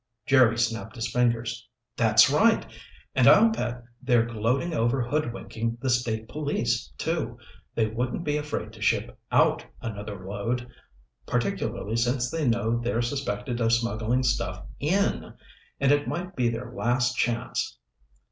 Jerry snapped his fingers. "That's right! And I'll bet they're gloating over hoodwinking the State Police, too. They wouldn't be afraid to ship out another load, particularly since they know they're suspected of smuggling stuff in and it might be their last chance."